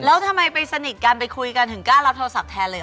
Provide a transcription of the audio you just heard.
แล้วทำไมไปสนิทกันไปคุยกันถึงกล้ารับโทรศัพท์แทนเลยเห